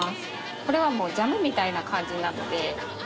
これはもうジャムみたいな感じなので。